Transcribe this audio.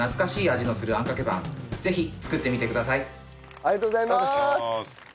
ありがとうございます。